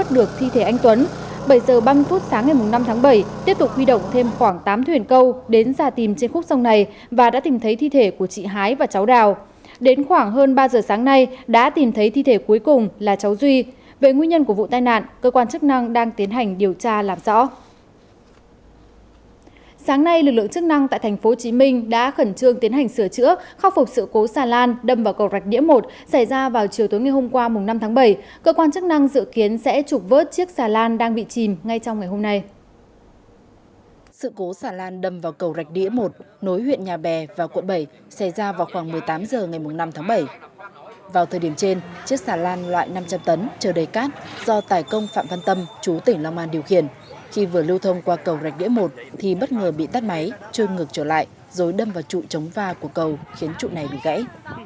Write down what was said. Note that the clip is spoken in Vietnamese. do tài công phạm văn tâm chú tỉnh long an điều khiển khi vừa lưu thông qua cầu rạch đĩa một thì bất ngờ bị tắt máy chơi ngược trở lại dối đâm vào trụ chống va của cầu khiến trụ này bị gãy